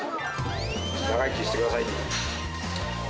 長生きしてくださいよ。